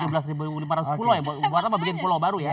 tujuh belas lima ratus sepuluh ya buatan buatan bikin pulau baru ya